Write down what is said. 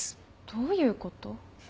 どういうこと？